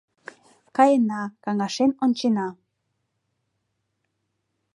Каена, каҥашен ончена.